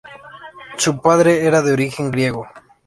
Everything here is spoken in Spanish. Su padre era de origen griego.